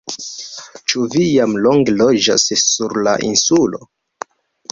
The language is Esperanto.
Ĉu vi jam longe loĝas sur la Insulo?